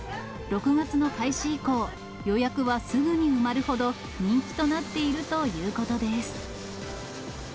６月の開始以降、予約はすぐに埋まるほど、人気となっているということです。